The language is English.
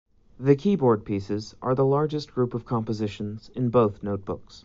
The keyboard pieces are the largest group of compositions in both Notebooks.